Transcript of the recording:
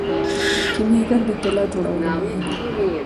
کیمیاګر د طلا جوړولو ماهر دی.